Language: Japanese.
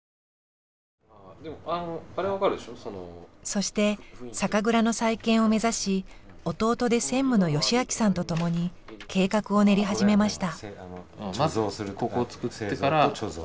そして酒蔵の再建を目指し弟で専務の宜明さんと共に計画を練り始めました。